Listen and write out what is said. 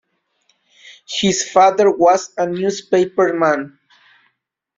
His father was a newspaperman.